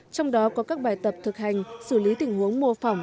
trong đó có các bài tập thực hành xử lý tình huống mô phỏng